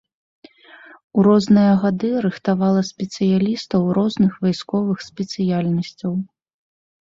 У розныя гады рыхтавала спецыялістаў розных вайсковых спецыяльнасцяў.